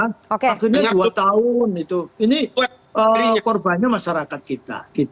akhirnya dua tahun ini korbannya masyarakat kita